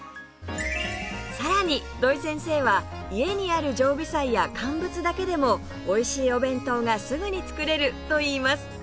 さらに土井先生は「家にある常備菜や乾物だけでもおいしいお弁当がすぐに作れる」と言います